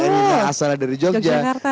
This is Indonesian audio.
erina asalnya dari yogyakarta